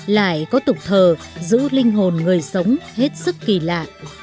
lại có tục thờ giữ linh hồn người sống hết sức kỳ lạ